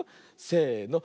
せの。